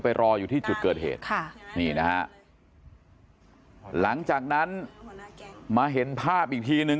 ไปรออยู่ที่จุดเกิดเหตุหลังจากนั้นมาเห็นภาพอีกทีนึง